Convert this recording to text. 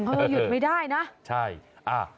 เรายุ่นไม่ได้นะ